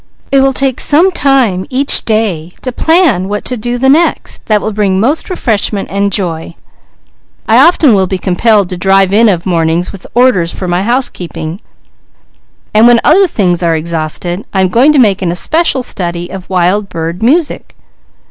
"It will take some time each day to plan what to do the next that will bring most refreshment and joy; I often will be compelled to drive in of mornings with orders for my house keeping, and when other things are exhausted, I am going to make an especial study of wild bird music."